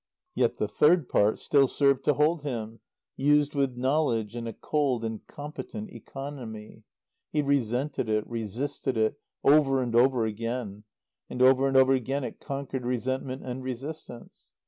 Yet the third part still served to hold him, used with knowledge and a cold and competent economy. He resented it, resisted it over and over again; and over and over again it conquered resentment and resistance.